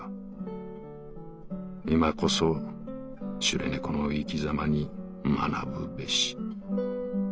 いまこそシュレ猫の生き様に学ぶべし。